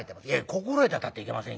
「心得てたっていけませんよ。